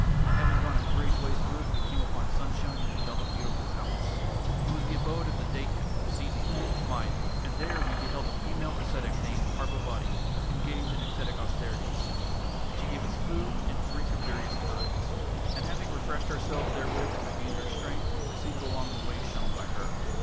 And having gone a great way through it, we came upon sunshine and beheld a beautiful palace. It was the abode of the Daitya (sea demon) Maya. And there we beheld a female ascetic named Parbhàvati engaged in ascetic austerities. And she gave us food and drink of various kinds. And having refreshed ourselves therewith and regained our strength, we proceeded along the way shown by her.